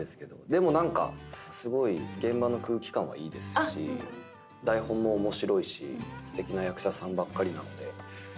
でもすごい現場の空気感はいいですし台本も面白いしすてきな役者さんばかりなので。